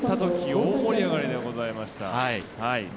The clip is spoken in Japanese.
大盛り上がりでございました。